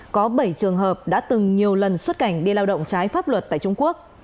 có bảy trường hợp đã từng nhiều lần xuất cảnh đi lao động trái pháp luật tại trung quốc